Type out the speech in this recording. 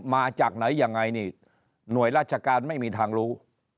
มาจากไหนยังไงนี่หน่วยราชการไม่มีทางรู้